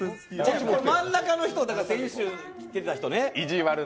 真ん中の人、先週来てた人ね